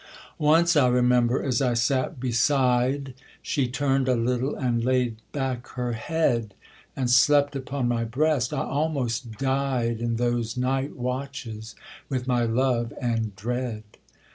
Once, I remember, as I sat beside, She turn'd a little, and laid back her head, And slept upon my breast; I almost died In those night watches with my love and dread.